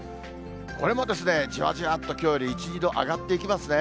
これもじわじわっときょうより１、２度上がっていきますね。